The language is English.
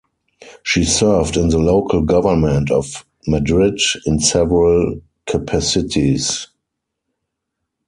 She served in the local government of Madrid in several capacities.